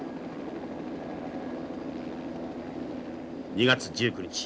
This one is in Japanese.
２月１９日